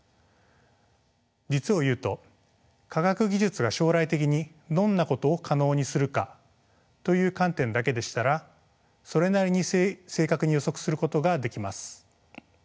実を言うと「科学技術が将来的にどんなことを可能にするか」という観点だけでしたらそれなりに正確に予測することができます。